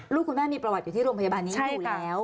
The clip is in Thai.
คุณแม่มีประวัติอยู่ที่โรงพยาบาลนี้อยู่แล้ว